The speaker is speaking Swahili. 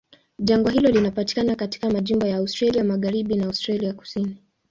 Jangwa hilo linapatikana katika majimbo ya Australia Magharibi na Australia Kusini.